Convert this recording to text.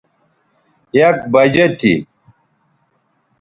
یک بجہ تھی